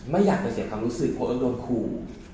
เพราะว่าเอิ๊กจะเสียคำรู้สึกเพราะเอิ๊กโดนขู่